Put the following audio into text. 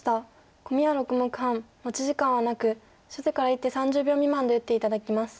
コミは６目半持ち時間はなく初手から１手３０秒未満で打って頂きます。